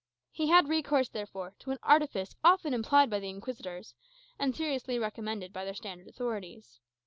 He had recourse, therefore, to an artifice often employed by the Inquisitors, and seriously recommended by their standard authorities.